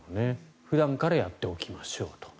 普段からやっておきましょうと。